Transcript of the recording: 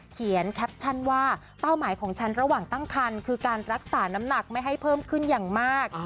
เขียนแคปชั่นว่าเป้าหมายของฉันระหว่างตั้งคันคือการรักษาน้ำหนักไม่ให้เพิ่มขึ้นอย่างมาก